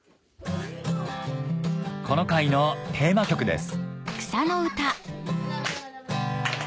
この会のテーマ曲です